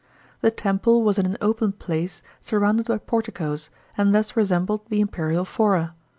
The temple was in an open place surrounded by porticoes and thus resembled the imperial /ora.